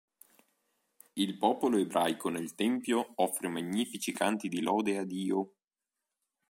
Il popolo ebraico nel Tempio offre magnifici canti di lode a Dio.